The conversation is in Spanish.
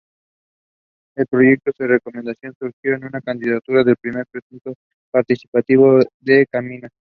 El proyecto de remodelación surgió de una candidatura al primer Presupuesto Participativo de Camina.